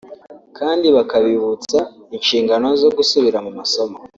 kandi bakabibutsa inshingano zo gusubira mu masomo